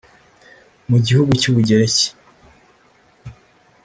Mu gihugu cy’u Bugereki